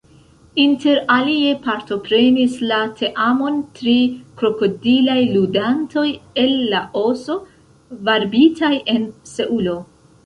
Interalie partoprenis la teamon tri krokodilaj ludantoj el Laoso, varbitaj en Seulo.